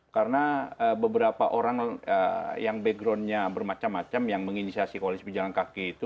karena beberapa orang yang backgroundnya bermacam macam yang menginisiasi koalisi pejalan kaki itu